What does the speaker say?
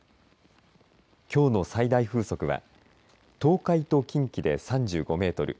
きょうの最大風速は東海と近畿で３５メートル